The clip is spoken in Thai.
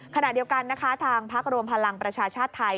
ขณะเดียวกันนะคะทางพักรวมพลังประชาชาติไทย